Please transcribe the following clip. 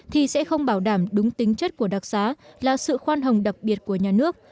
thì sẽ không bảo đảm đúng tính chất của đặc xá là sự khoan hồng đặc biệt của nhà nước